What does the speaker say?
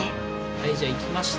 はいじゃあいきました。